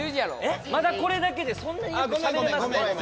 まだこれだけでそんなによくしゃべれますね。